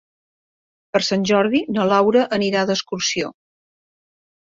Per Sant Jordi na Laura anirà d'excursió.